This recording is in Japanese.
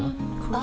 あ！